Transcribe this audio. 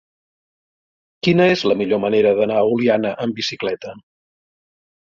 Quina és la millor manera d'anar a Oliana amb bicicleta?